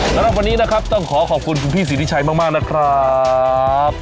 สำหรับวันนี้นะครับต้องขอขอบคุณคุณพี่สิทธิชัยมากนะครับ